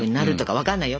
分かんないよ？